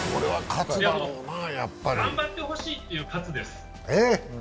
頑張ってほしいという喝です。